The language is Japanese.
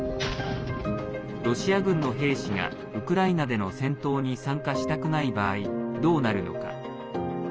ロシア軍の兵士がウクライナでの戦闘に参加したくない場合どうなるのか。